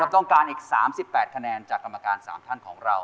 ต้องการอีก๓๘คะแนนจากกรรมการ๓ท่านของเรา